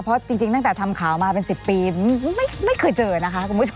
เพราะจริงตั้งแต่ทำข่าวมาเป็น๑๐ปีไม่เคยเจอนะคะคุณผู้ชม